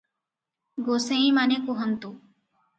"ଗୋସେଇଁମାନେ କୁହନ୍ତୁ